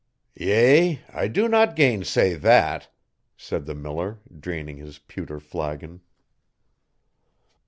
"Yea, I do not gainsay that," said the miller, draining his pewter flagon.